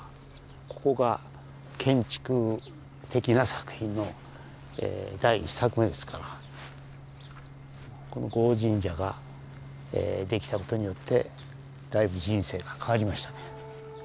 ここが建築的な作品の第１作目ですからこの護王神社ができたことによってだいぶ人生が変わりましたね。